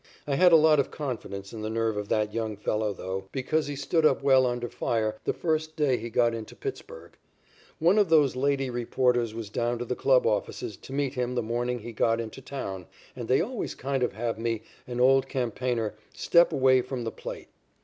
I had a lot of confidence in the nerve of that young fellow though, because he stood up well under fire the first day he got into Pittsburg. One of those lady reporters was down to the club offices to meet him the morning he got into town, and they always kind of have me, an old campaigner, stepping away from the plate.